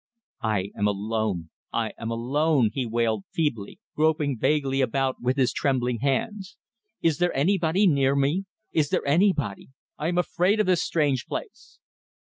"I am alone, I am alone," he wailed feebly, groping vaguely about with his trembling hands. "Is there anybody near me? Is there anybody? I am afraid of this strange place."